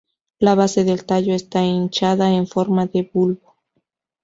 La base del tallo está hinchada en forma de bulbo.